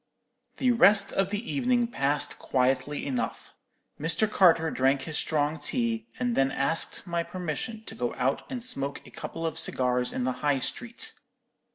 "The rest of the evening passed quietly enough. Mr. Carter drank his strong tea, and then asked my permission to go out and smoke a couple of cigars in the High Street.